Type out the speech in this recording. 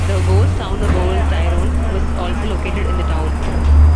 The ghost town of Old Tyrone was also located in the town.